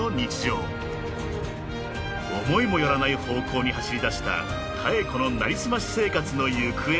［思いも寄らない方向に走りだした妙子の成り済まし生活の行方は？］